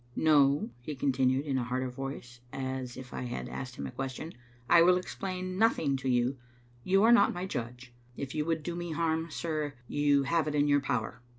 "No," he continued, in a harder voice, as if I had asked him a question, " I will explain nothing to you. You are not my judge. If you would do me harm, sir, you have it in your power.